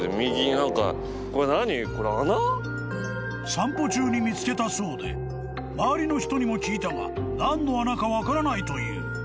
［散歩中に見つけたそうで周りの人にも聞いたが何の穴か分からないという］